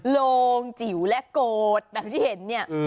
โรงจิ๋วและโกรธแบบที่เห็น